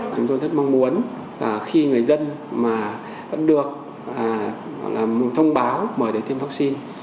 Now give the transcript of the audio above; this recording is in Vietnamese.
chúng tôi rất mong muốn khi người dân được thông báo mời thêm vaccine